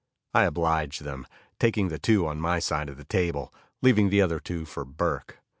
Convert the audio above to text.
I obliged them, taking the two on my side of the table, leaving the other two for Burke.